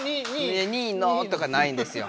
いや２位のとかないんですよ。